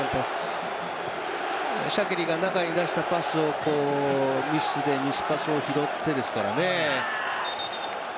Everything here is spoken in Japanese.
シャキリが中に出したパスをミスでミスパスを拾ってですからね。